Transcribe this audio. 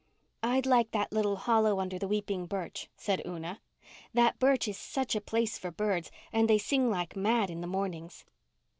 "I'd like that little hollow under the weeping birch," said Una. "That birch is such a place for birds and they sing like mad in the mornings."